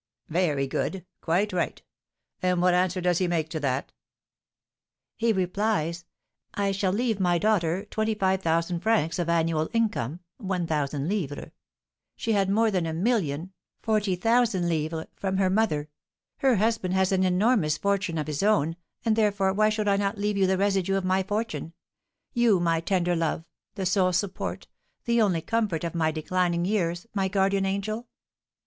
'" "Very good, quite right! And what answer does he make to that?" "He replies, 'I shall leave my daughter twenty five thousand livres of annual income (1,000_l._); she had more than a million (40,000_l._) from her mother. Her husband has an enormous fortune of his own; and, therefore, why should I not leave you the residue of my fortune, you, my tender love, the sole support, the only comfort of my declining years, my guardian angel?'